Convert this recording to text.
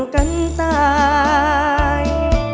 กันตาย